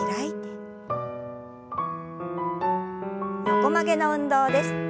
横曲げの運動です。